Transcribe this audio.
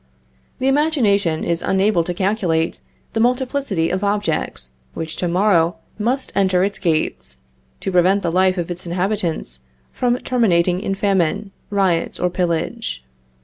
The imagination is unable to calculate the multiplicity of objects which to morrow must enter its gates, to prevent the life of its inhabitants from terminating in famine, riot, or pillage.